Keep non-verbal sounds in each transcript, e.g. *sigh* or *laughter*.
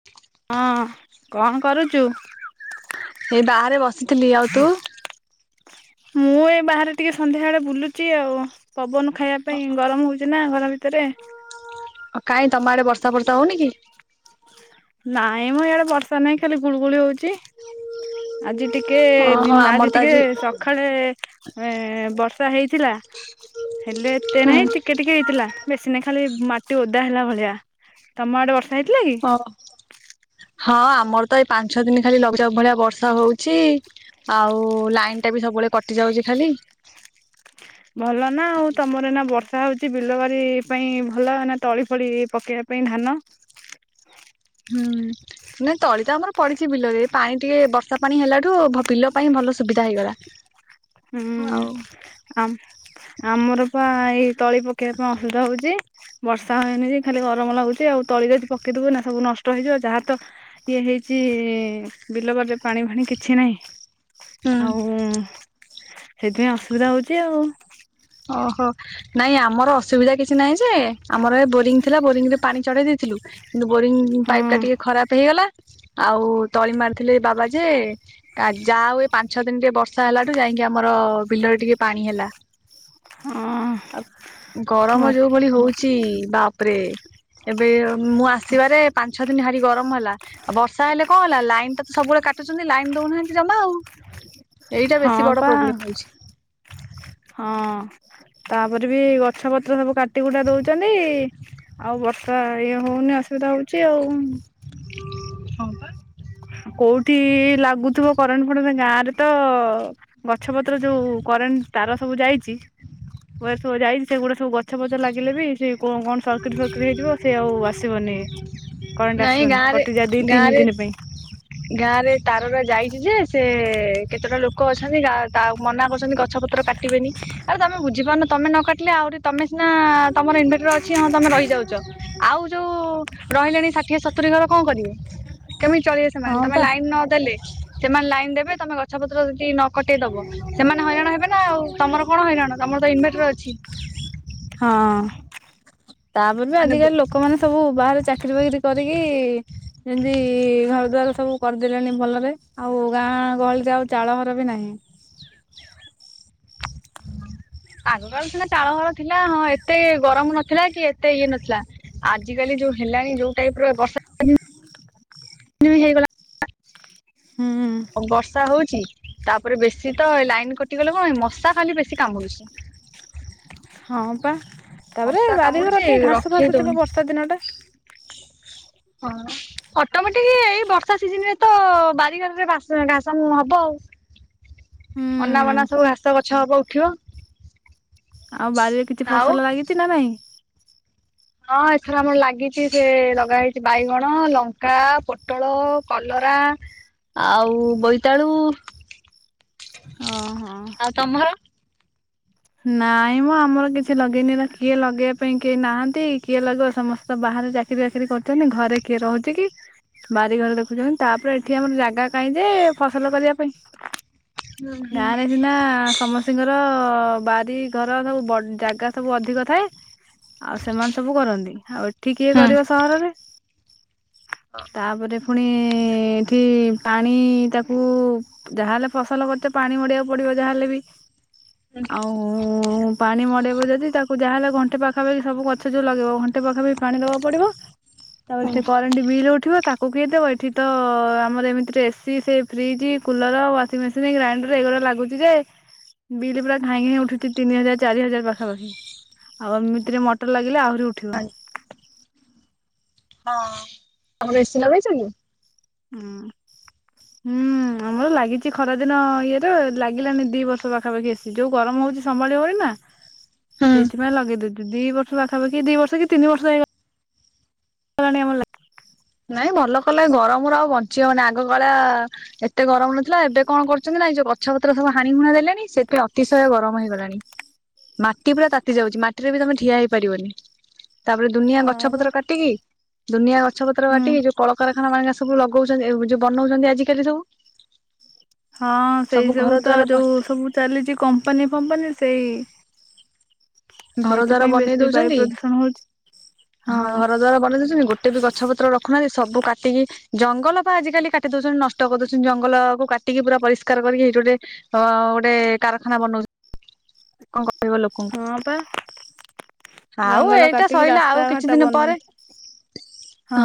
ହ ଅଁ, କଣ କରୁଚୁ? ଏଇ ବାହାରେ ବସିଥିଲି। ଆଉ ତୁ? ମୁଁ ଏ ବାହାରେ ଟିକେ ସନ୍ଧ୍ୟା ବଳେ ବୁଲୁଚି ଆଉ ପବନ ଖାଇବା ପାଇଁ। ଗରମ ହଉଚୁ ନା ଘର ଭିତରେ। ଓ କାଇଁ ତୋମ ଆଡେ ବର୍ଷା ଫର୍ଷା ହଉନି କି? ନାଇଁ ମୋ ଇଆଡେ ବର୍ଷା ନାହିଁ ଖାଲି ଗୁଳୁଗୁଳି ହଉଚି। ଆଜି ଟିକେ ଓହୋ ଦିନ ଆମର ଆଜି ତ ଟିକେ ସ ଖାଳେ ଏଁ, ବର୍ଷା ହେଇଥିଲା। ହେଲେ ଏତେ ହୁଁ ନାହିଁ, ଟି କେ ଟିକେ ହେଇଥିଲା ବେଶୀ ନାଇ ଖାଲି ମାଟି ଓଦା ହେଲା ଭଳିଆ। ତୋମ ଆଡେ ବର୍ଷା ହେଇଥିଲା କି? ଓ ହଁ, ଆମର ତ ଏଇ ପାଞ୍ଚ, ଛଅ ଦିନ ଖାଲି ଲଘୁଚାପ ଭଳିଆ ବର୍ଷା ହଉଛି। ଆଉ ଲାଇନ୍ ଟା ବି ସବୁବେଳେ କଟି ଯାଉଚି ଖାଲି। ଭଲ ନା ଆଉ ତୋମର ଏଇନା ବର୍ଷା ହଉଛି ବିଲବାରି ପାଇଁ ଭଲ ନା। ତଳି ଫଳି ପକେଇଆ ପାଇଁ ଧାନ। ହୁଁ। ନାଇଁ ତଳି ତ ଆମର ପଡିଛି ବିଲରେ ପାଣି ଟିକେ ବର୍ଷା ପାଣି ହେଲାଠୁ ଭ-ବିଲ ପାଇଁ ଭଲ ସୁବିଧା ହେଇଗଲା। ହୁଁ, ଆଉ ଆମ ଆମର ପା ଏଇ ତଳି ପକେଇବା ପାଇଁ ଅସୁବିଧା ହଉଚି। ବର୍ଷା ହେଇନି ଯେ ଖାଲି ଗରମ ଲାଗୁଛି ଆଉ। ତଳି ଯଦି ପକେଇଦବୁ ଏଇନା ସବୁ ନଷ୍ଟ ହେଇଯିବ। ଯାହା ତ ଇଏ ହେଇଚି ବିଲ ବାଡିରେ ପାଣି ଫାଣି କିଛି ନାହିଁ। ହୁଁ ଆଉ ଉଁ, ସେଇଥିପାଇଁ ଅସୁବିଧା ହଉଚି ଆଉ। ଓହୋ। ନାଇଁ ଆମର ଅସୁବିଧା କିଛି ନାହିଁ ଯେ ଆମର ଏ ବୋରିଂ ଥିଲା, ବୋରିଂ ରେ ପାଣି ଚଢେଇ ଦେଇଥିଲୁ। କିନ୍ତୁ ବୋରିଂ ପାଇପ୍ ହଁ ଟା ଟିକେ ଖରାପ ହେଇଗଲା। ଆଉ ତଳି ମାରିଥିଲେ ଏ ବାବା ଯେ କା- ଯା ହଉ ପାଞ୍ଚ, ଛଅ ଦିନ ଟିକେ ବର୍ଷା ହେଲାଠୁ ଯାଇକି ଆମର ବିଲରେ ଟିକେ ପାଣି ହେଲା। ହଁ। ଆ, ଗରମ ଯୋଉ ଭଳି ହଉଛି ବାପରେ ଏବେ ମୁଁ ଆସିବାରେ ପାଞ୍ଚ ଛଅ ଦିନି ଭାରି ଗରମ ହେଲା। ଆଉ ବର୍ଷା ହେଲେ କଣ ହେଲା ଲାଇନ ଟା ତ ସବୁବେଳେ କାଟୁଛନ୍ତି। ଲାଇନ ଦଉନାହାନ୍ତି ଜମା ଆଉ। ଏଇଟା ବେଶୀ ହଁ, ବଡ ପା ପ୍ରୋବ୍ଲେମ ହଉଛି ହଁ। ତାପରେ ବି ଗଛ ପତ୍ର ସବୁ କାଟି କୁଟା ଦଉଚନ୍ତି। ଆଉ ବର୍ଷା ଇଏ ହଉନି ଅସୁବିଧା ହଉଚି ଆଉ। କୋଉଠି ଲାଗୁଥିବ କରେଣ୍ଟ ଫରେଣ୍ଟ ଗାଁରେ ତ ଗଛ ପତ୍ର ଯୋଉ କରେଣ୍ଟ ତାର ସବୁ ଯାଇଚି ୱାର୍ ସବୁ ଯାଇଛି, ସେ ଗୁଡା ସବୁ ଗଛ ଫଛ ଲାଗିଲେ ବି ସେ କଣ କଣ ସର୍କିଟ ସର୍କିଟ ହେଇଯିବ ସେ ଆଉ ଆସିବନି। କରେଣ୍ଟ ନାଇଁ ଆସିବନି ଗାଁରେ କଟି ଯାଏ ଦି ତିନି ଗାଁରେ ଦିନ ପାଇଁ। ଗାଁ ରେ ତାର ରା ଯାଇଛି ଯେ, ସେ କେତେଟା ଲୋକ ଅଛନ୍ତି ଗା ତା ମନା କରୁଛନ୍ତି ଗଛ ପତ୍ର କାଟ କାଟିବେନି। ଆରେ ତୋମେ ବୁଝିପାରୁନ ତୋମେ ନ କାଟିଲେ ଆଉରି ତୋମେ ସିନା ତୋମର ଇନଭେଟର ଛି ହଁ, ତୋମେ ରହିଯାଉଚ। ଆଉ ଯୋଉ ରହିଲେଣି ଷାଠିଏ, ସତୁରି ଘର କଣ କରିବେ? କେମିତି ଚଳିବେ ସେମାନେ। ହଁ ତୋମେ ପା ଲାଇନ ନଦେଲେ ସେମାନେ ଲାଇନ ଦେବେ ତୋମେ ଗଛ ପତ୍ର ଯଦି ନ କଟେଇ ଦବ। ସେମାନେ ହଇରାଣ ହେବେ ନା ଆଉ। ତୋମର କଣ ହଇରାଣ। ତୋମର ତ ଇନଭେଟର ଅଛି। ହଁ, ତାପରେ ବି ମାନେ ଆଜିକାଲି ଲୋକମାନେ ସବୁ ବାହାରେ ଚାକିରୀ ବାକିରି କରିକି। ଯେମିତି ଘର ଦ୍ୱାର ସବୁ କରିଦେଲେଣି ଭଲରେ ଆଉ ଗାଁ ଗହଳିରେ ଆଉ ଚାଳ ଘର ବି ନାହିଁ। ଆଗକାଳ ସିନା ଚାଳ ଘର ଥିଲା ହଁ, ଏତେ ଗରମ ନଥିଲା କି ଏତେ ଇଏ ନଥିଲା। ଆଜି କାଲି ଯୋଉ ହେଲାଣି ଯୋଉ ଟାଇପ ର ବର୍ଷା ହେଇଗଲା ହୁଁ। ବର୍ଷା ହଉଛି ତାପରେ ବେଶୀ ତ ଲାଇନ କଟିଗଲେ କଣ ମଶା ଖାଲି ବେଶୀ କାମୁଡୁଛି। ହଁ, ପା ତାପରେ ମଶା ବାରି, ଘର କାମୁଡୁଛି ଏତେ ଘାସ ରଖେଇ ଫାସ ଥିବ ଦଉନି ବର୍ଷା ଦିନ ଟା ହଁ। ଅଟୋମେଟିକ ଏଇ ବର୍ଷା ସିଜନରେ ତ ବାରିଘରରେ ବାସ ଘାସ ହବ ଆଉ। ହୁଁ ଅନା ବନା ସବୁ ଘାସ ଗଛ ହବ ଉଠିବ। ଆଉ ବାରିରେ କିଛି ଆଉ ଫସଲ ଲାଗିଛି ନା ନାଇଁ। ହଁ ଏଥର ଆମର ଲାଗିଛି ସେ ଲଗା ହେଇଚି ବାଇଗଣ, ଲଙ୍କା, ପୋଟଳ, କଲରା। ଆଉ ବୋଇତାଳୁ। ଅ ହଁ। ଆଉ ତମର। ନାଇଁ ମ ଆମର କିଛି ଲଗେଇନି ଏରା କିଏ ଲଗେଇବା ପାଇଁ କେହି ନାହାନ୍ତି କିଏ ଲଗେଇ ସମସ୍ତେ ତ ବାହାରେ ଚାକିର ଚାକିରି ବାକିରି କରୁଛନ୍ତି ଘରେ କିଏ ରହୁଚି କି। ବାରିଘରେ ଦେଖୁଛନ୍ତି ତାପରେ ଏଠି ଆମର ଜାଗା କାହିଁ ଯେ ଫସଲ କରିବା ପାଇଁ। ହୁଁ ହୁଁ। ଗାଁରେ ସିନା ସମସ୍ତିଙ୍କର ବାରି ଘର ସବୁ ବଡ୍ ଜାଗା ସବୁ ଅଧିକ ଥାଏ। ଆଉ ସେମାନେ ସବୁ କରନ୍ତି ଆଉ ଏଠି କିଏ କରିବ ସହରରେ। ହଁ। ତାପରେ ପୁଣି ଏଠି ପାଣି ତାକୁ ଯାହାହେଲେ ଫସଲ କରିଚ ପାଣି ମଡେଇବାକୁ ପଡିବ ଯାହା ହେଲେ ବି। ଆଉ ପାଣି ମଡେଇବ ଯଦି ତାକୁ ଯାହାହଲେ ଘଣ୍ଟେ ପାଖାପାଖି ସବୁ ଗଛ ଯୋଉ ଲଗେଇବ ଘଣ୍ଟେ ପାଖାପାଖି ପାଣି ଦବାକୁ ପଡିବ ତା ହଁ ପରେ କ ଏଠି ବିଲ୍ ଉଠିବ ତାକୁ କିଏ ଦେବ ଏଇଠି ତ ଆମର ଏମିତିରେ ଏସି ସେ fridge cooler, washing machine, grinder ଏଗୁରା ଲାଗୁଚି ଯେ ବିଲ ପୁରା ଘାଇଁ ଘାଇଁ ଉଠୁଛି ତିନି ହଜାର ଚାରି ହଜାର ପାଖାପାଖି ଆଉ ଏମିତିରେ ମଟର ଲାଗିଲେ ଆହୁରି ଉଠିବ। ହଁ ତମର ଏସିି ଲଗେଇଚ କି। ହୁଁ ହୁଁ। ଆମର ଲାଗିଚି ଖରା ଦିନ ଇଏରୁ ଲାଗିଲାନି ଦି ବର୍ଷ ପାଖାପାଖି ଏସି ଯୋଉ ଗରମ ହଉଚି ସମ୍ଭାଳିି ହଉନି ନା। ହୁଁ। ସେଇଥିପାଇଁ ଲଗେଇଦେଲୁ। ଦି ବର୍ଷ ପାଖାପଖି ଦି ବର୍ଷ କି ତିନି ବର୍ଷ ହେଇଗଲାଣି ଆମର ଲାଗିଚ୍। ନାଇଁ ଭଲ କଲେ ଗରମରୁ ଆଉ ବଞ୍ଚି ହବନି ଆଗ କଳଆ ଏତେ ଗରମ ନଥିଲା। ଏବେ କଣ କରୁଛନ୍ତି ନା ଏ ଯୋଉ ଗଛ ପତ୍ର ସବୁ ହାଣି ହୁଣା ଦେଲେଣି ସେଥିପାଇଁ ଅତିଶୟ ଗରମ ହେଇଗଲାଣି। ମାଟି ପୁରା ତାତିଯାଉଚି ମାଟିରେ ବି ତମେ ଠିଆ ହେଇପାରିବନି। ତାପରେ ଦୁନିଆ ଗଛ ହଁ ବା ପତ୍ର କାଟିକି ଦୁନିଆ ଗଛ ପତ୍ର ହୁଁ। କାଟିକି ଯୋଉ କଳକାରଖାନା ମାନା ସବୁ ଲଗଉଚନ୍ତି ଯଉ ବନଉଚନ୍ତି ଆଜିକାଲି ସବୁ। ହଁ ସେଇ ଘର ସବୁ ତ ଦ୍ୱାର ଯୋଉ ସବୁ ଚାଲିଛି କମ୍ପାନୀ ଫମ୍ପାନୀ ସେଇ। ଘର ଦ୍ୱାର ସେଇଥିପାଇଁ ବନେଇ ବେଶୀ ବାୟୁ ଦଉଚନ୍ତି ପ୍ରଦୂଷଣ ହଉଛି ହଁ ଘର ଦ୍ୱାର ବନେଇ ଦଉଚନ୍ତି ଗୋଟେ ଗୋଟେ ବି ଗଛପତ୍ର ରଖୁନାହାନ୍ତି ସବୁ କାଟିକି ଜଙ୍ଗଲ ପା ଆଜିକାଲି କାଟି ଦଉଚନ୍ତି ନଷ୍ଟ କରି ଦଉଚନ୍ତି। ଜଙ୍ଗଲକୁ କାଟିକି ପୁରା ପରିଷ୍କାର କରିକି ହେଇଠି ଗୋଟେ ହ ଗୋଟେ କାରଖାନା ବନଉଛି କଣ କ ହଁ ପା। ଆଉ ଜଙ୍ଗଲ ଏଇଟା କାଟିକି ସଇଲା ଆଉ ରାସ୍ତାଘାଟ କିଛି ଦିନ ପରେ ବନଉଛି।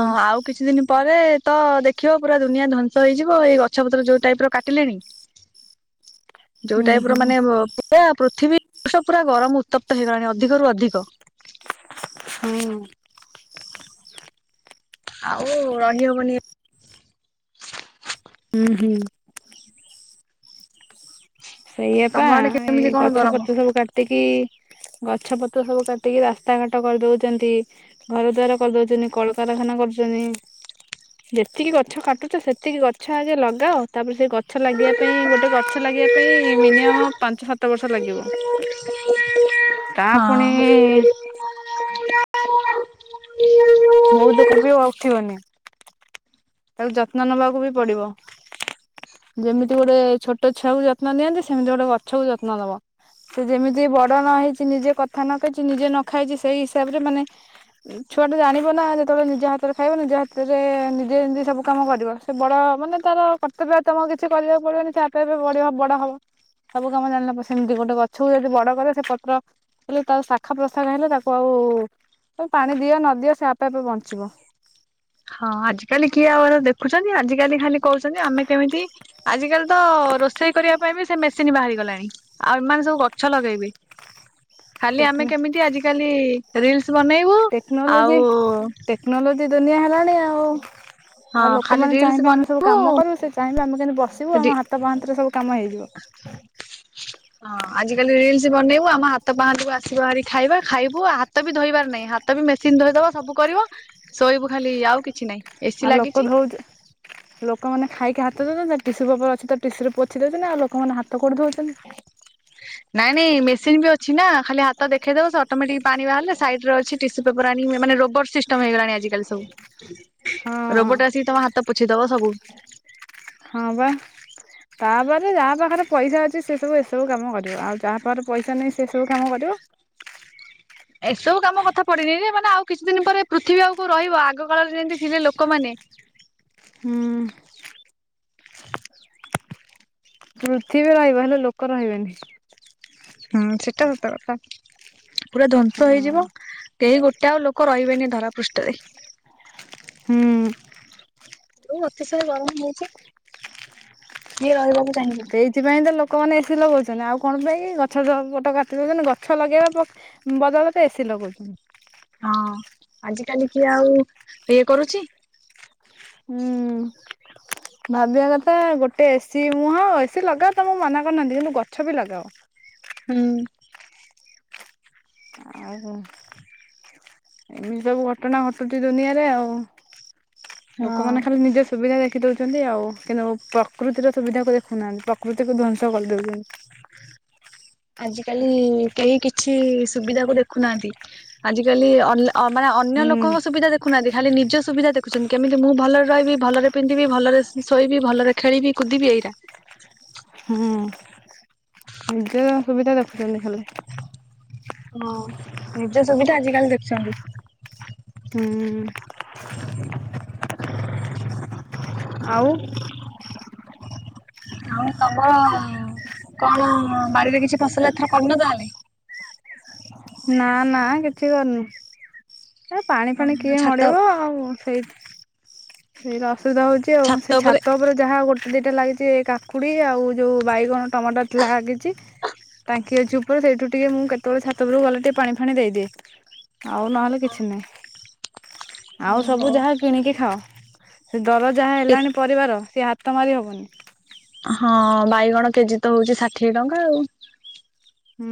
ହଁ ଆଉ କିଛି ଦିନ ପରେ ତ ଦେଖିବ ପୁରା ଦୁନିଆ ଧ୍ୱଂସ ହେଇଯିବ। ଏଇ ଗଛ ପତ୍ର ଯୋଉ ଟାଇପର କାଟିଲେଣି। *inaudible* ଯୋଉ ହୁଁ ଟାଇପର ହୁଁ। ମାନେ ଏ ପୃଥିବୀ *inaudible* ପୁରା ଗରମ ଉତ୍ତପ୍ତ ହେଇଗଲାଣି ଅଧିକରୁ ଅଧିକ। ହଁ। ଆଉ ରହିହବନି ଏ ଉଁ ହୁଁ। ସେଇଆପା ତମ ଆଡେ କେମିତି ଏଇ କଣ ଗଛ ଗରମ? ପତ୍ର ସବୁ କାଟିକି ଗଛ ପତ୍ର ସବୁ କାଟିକି ରାସ୍ତା ଘାଟ କରିଦୋଉଚନ୍ତି। ଘର ଦ୍ୱାର କରିଦୋଉଚନ୍ତି, କଳକାରଖାନା କରୁଚନ୍ତି। ଯେତିକି ଗଛ କାଟୁଚ ସେତିକି ଗଛ ଆଗେ ଲଗାଅ ତାପରେ ସେଇ ଗଛ ଲାଗିବା ପାଇଁ ଗୋଟେ ଗଛ ଲା ପାଇଁ ମିନିମମ୍ ପାଞ୍ଚ ସାତ ବର୍ଷ ଲାଗିବ ତାହା ଫୁଣି *inaudible* ବୋହୁତ ହଁ। *unintelligible* ଆଉ ଉଠିବନି। ତାକୁ ଯତ୍ନ ନବାକୁ ବି ପଡିବ। ଯେମିତି ଗୋଟେ ଛୋଟ ଛୁଆକୁ ଯତ୍ନ ନିଅନ୍ତି ସେମିତି ଗୋଟେ ଗଛକୁ ଯତ୍ନ ଦବ। ସେ ଯେମିତି ବଡ ନ ହେଇଚି, ନିଜେ କଥା ନ କହିଚି ନିଜେ ନ ଖାଇଚି ସେଇ ହିସାବରେ ମାନେ ଉ ଛୁଆଟି ଜାଣିବ ନା ଯେତେବେଳେ ନିଜ ହାତରେ ଖାଇବ ନିଜ ହାତରେ ନିଜେ ଯିନ୍ତି ସବୁ କାମ କରିବ ସେ ବଡ ମାନେ ତାର କର୍ତ୍ତବ୍ୟ ଆଉ ତମକୁ କିଛି କରିବାକୁ ପଡିବନି ସେ ଆପେ ଆପେ ବଢିବ ବଡ ହବ। ସବୁ କାମ ଜାଣଲା ପରେ ସେମିତି ଗୋଟେ ଗଛକୁ ଯଦି ବଡ କରିବ ସେ ପତ୍ର ହେଲେ ତାର ଶାଖା ପ୍ରଶାଖ ହେଲେ ତାକୁ ଆଉ ଏ ପାଣି ଦିଅ ନଦିଅ ସେ ଆପେ ଆପେ ବଞ୍ଚିବ। ହଁ ଆଜି କାଲି କିଏ ଆଉ ଏରା ଦେଖୁଚନ୍ତି ଆଜି କାଲି ଖାଲି କୋହୁଛନ୍ତି ଆମେ କେମିତି ଆଜିକାଲି ତ ରୋଷେଇ କରିବା ପାଇଁ ବି ସେ ମେସିନି ବାହାରିଗଲାଣି। ଆଉ ଏମାନେ ସବୁ ଗଛ ଲଗେଇବେ। ଖାଲି ଆମେ ଟେକ୍ନି କେମିତି ଆଜିକାଲି ରିଲସ ବନେଇବୁ ଟେକ୍ନୋଲୋଜି ଆଉ ଟେକ୍ନୋଲୋଜି ଦୁନିଆ ହେଲାଣି ଆଉ ହଁ ଆଉ ଖାଲି ଲୋକମାନେ ରିଲ୍ସ ଚାହିଁବେ ଆମେ ସବୁ ବନେଇବୁ କାମ କରିବୁ ସେ ଚାହିଁବେ ଆମେ କେମତି ବସିବୁ ରି ଆମ ହାତ ପାହାନ୍ତିରେ ସବୁ କାମ ହେଇଯିବ। ହଁ ଆଜିକାଲି ରିଲସି ବନେଇବୁ ଆମ ହାତ ପାହାନ୍ତିକୁ ଆସିବ ଭାରି ଖାଇବା ଖାଇବୁ ଆଉ ହାତ ବି ଧୋଇବାର ନାଇଁ ହା ତ ବି ମେସିନ୍ ଧୋଇଦବ ସବୁ କରିବ ଶୋଇବୁ ଖାଲି ଆଉ କିଛି ନାଇଁ ଏସି ଆଉ ଲୋକ ଲାଗିଚି। ଧଉଚ ଲୋକମାନେ ଖାଇକି ହାତ ଦୋଉଚନ୍ତି ନା ଟିସୁ ପେପର ଅଛି ତ ଟିସୁରେ ପୋଛି ଦୋଉଚନ୍ତି ଆଉ ଲୋକମାନେ ହାତ କୋଉଠି ଧୋଉଚନ୍ତି। ନାଇଁ ନାଇଁ ମେସିନ ବି ଅଛି ନା ଖାଲି ହାତ ଦେଖେଇଦବ ସେ ଅଟୋମେଟିକ ପାଣି ବାହାରିଲେ ସାଇଡ ରେ ଅଛି ଟିସୁ ପେପର ଆଣିକି ମା-ମାନେ ରୋବର୍ଟ ସିଷ୍ଟମ ହେଇଗଲାଣି ଆଜିକାଲି ସବୁ। ହଁ ରୋବଟ୍ ଆସିକି ତମ ହାତ ପୋଛିଦବ ସବୁ। ହଁ ପା। ତାପରେ ଯାହା ପାଖରେ ପଇସା ଅଛି ସେ ସବୁ ଏସବୁ କାମ କରିବ ଆଉ ଯାହା ପାଖରେ ପଇସା ନାହିଁ ସେସବୁ କାମ କରିବ। ଏସବୁ କାମ କଥା ପଡିନେଇ ଯେ ମାନେ ଆଉ କିଛି ଦିନି ଏ ପରେ ପୃଥିବୀ ଆଉ କୋଉ ରହିବ ଆଗ କାଳରେ ଯେମିତି ଥିଲେ ଲୋକମାନେ। ହୁଁ। ପୃଥିବୀ ରହିବ ହେଲେ ଲୋକ ରହିବେନି। ହୁଁ ସେଟା ସତକଥା। ପୁରା ଧ୍ଵଂସ ହଁ ହେଇଯିବ କେହି ଗୋଟେ ଆଉ ଲୋକ ରହିବେନି ଏ ଧରା ପୃଷ୍ଠରେ। ହୁଁ। ଯୋଉ ଅତିଶୟ ଗରମ ହୋଉଚି କିଏ ରହିବ ମୁଁ ତେ ଇଦ୍ ସେଥିପାଇଁ ତ ଲୋକମାନେ ଏସି ଲଗୋଉଚନ୍ତି ଆଉ କଣ ପାଇଁ କି ଗଛ ତ ପଟ କାଟି ଦୋଉଚନ୍ତି ଗଛ ଲଗେଇବା ପା ମ୍ ବଦଳରେ ତ ଏ ସି ଲଗୋଉଛନ୍ତି। ହଁ ଆଜିକାଲି କିଏ ଆଉ ଇଏ କରୁଚି। ହୁଁ। ଭାବିବା କଥା ଗୋଟେ ଏ ସିି ମୁଁହ ଏ ସି ଲଗାଅ ତମକୁ ମନା କରିନାହାନ୍ତି କିନ୍ତୁ ଗଛ ବି ଲଗାଅ। ହୁଁ। ଅହ। ଏମିତି ସବୁ ଘଟଣା ଘଟୁଚି ଦୁନିଆରେ ଆଉ ହଁ। ଲୋକମାନେ ଖାଲି ନିଜ ସୁବିଧା ଦେଖିଦୋଉଚନ୍ତି ଆଉ କିନ୍ତୁ ପ୍ରକୃତିର ସୁବିଧାକୁ ଦେଖୁନାହାନ୍ତି ପ୍ରକୃତିକୁ ଧ୍ବଂସ କରିଦୋଉଚନ୍ତି। ଆଜିକାଲି କେହି କିଛି ସୁବିଧାକୁ ଦେଖୁନାହାନ୍ତି ଆଜିକାଲି ଅଲ ଅ ମାନେ ଅନ୍ୟ ହୁଁ ଲୋକଙ୍କ ସୁବିଧା। ଦେଖୁନାହାନ୍ତି ଖାଲି ନିଜ ସୁବିଧା ଦେଖୁଛନ୍ତି କେମିତି ମୁଁ ଭଲରେ ରହିବି, ଭଲରେ ପିନ୍ଧିବି, ଭଲରେ ଶ ଶୋଇବି ଭଲରେ। ଖେଳିବି କୁଦିବି ଏଇରା। ହୁଁ ନିଜର ସୁବିଧା ଦେଖୁଛନ୍ତି ଖାଲି। ହଁ ନିଜ ସୁବିଧା ଆଜିକାଲି ଦେଖୁଛନ୍ତି। ହୁଁ। *inaudible* ଆଉ। ଆଉ ତମ କଣ ବାଡିରେ କିଛି ଫସଲ ଏଥର କରିନ ତାହେଲେ। ନା ନା କିଛି କରିନୁ ଏ ପାଣି ଫାଣି କିଏ ଛାତ ମଡେଇବ ଆଉ ସେଇ ସେଇରା ଅସୁବିଧା ହଉଛି ଆଉ ସେ ଛାତ ଉପରେ ଯାହା ଗୋଟେ ଦିଟା ଲାଗିଛି। ଏ କାକୁଡି ଆଉ ଯୋଉ ବାଇଗଣ ଟମାଟର ଥିଲା ଲାଗିଛି। ଟାଙ୍କି ଅଛି ଉପରେ ସେଇଠୁ ଟିକେ ମୁଁ କେତେବେଳେ ଛାତ ଉପରୁ ଗଲା ଟିକେ ପାଣି ଫାଣି ଦେଇଦିଏ। ଆଉ ନହେଲେ କିଛି ନାହିଁ ଆଉ ଓହୋ ସବୁ ଯାହା କିଣିକି ଖାଅ। ସେ ଦର ଯାହା ହେଲାଣି ପରିବାର ସିଏ ହାତ ମାରି ହବନି। ହଁ ବାଇଗଣ କେଜି ତ ହଉଛି ଷାଠିଏ ଟଙ୍କା ଆଉ। ହୁଁ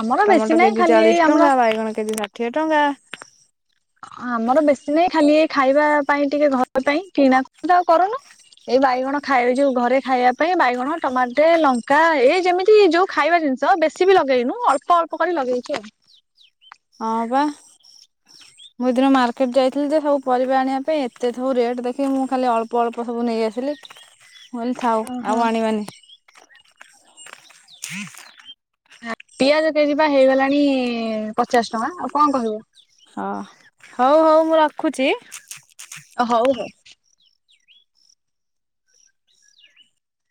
ଆମର ବେଶୀ ଟମାଟୋ ନାହିଁ କେଜି ଖାଲି ଏଇ ଚାଳିଶ ଆମର ଟଙ୍କା ବାଇଗଣ କେଜି ଷାଠିଏ। ସାଠିଏ ଟଙ୍କା। ଆମର ବେଶୀ ନାଇଁ ଖାଲି ଏ ଖାଇବା ପାଇଁ ଟିକେ ଘର ପାଇଁ କିଣା ତ ଆଉ କରୁନୁ। ଏଇ ବାଇଗଣ ଖାଇବେ ଯୋଉ ଘରେ ଖାଇବା ପାଇଁ ବାଇଗଣ ଟମାଟ ଟେ ଲଙ୍କା ଏଇ ଯେମିତି ଯୋଉ ଖାଇବା ଜିନିଷ। ବେଶୀ ବି ଲଗେଇନୁ ଅଳ୍ପ ଅଳ୍ପ କରି ଲଗେଇଛି ଆଉ। ହଁ ବା। ମୁଁ ଏଇ ଦିନେ ମାର୍କେଟ ଯାଇଥିଲି ଯେ ସବୁ ପରିବା ଆଣିବା ପାଇଁ ଏତେ ସବୁ ରେଟ୍ ଦେଖିକି ମୁଁ ଖାଲି ଅଳପ ଅଳପ ସବୁ ନେଇ ଆସିଲି। ମୁଁ କଇଲି ଥାଉ ଓହୋ। ଆଉ ଆଣିବାନି। ଆ ପିଆଜ କେଜି ବା ହେଇଗଲାଣି ପଚାଶ ଟଙ୍କା ଆଉ କଣ କହିବ। ହଁ ହଉ ହଉ ମୁଁ ରଖୁଛି। ହଉ ହଉ।